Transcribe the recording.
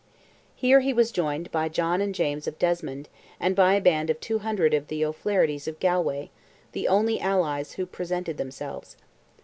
Here he was joined by John and James of Desmond, and by a band of 200 of the O'Flaherties of Galway, the only allies who presented themselves.